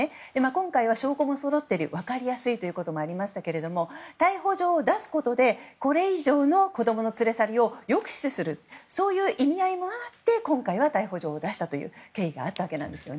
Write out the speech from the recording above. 今回は証拠もそろっていて分かりやすいということもありましたけれども逮捕状を出すことでこれ以上の子供の連れ去りを抑止するという意味合いもあって今回は逮捕状を出したという経緯があったわけです。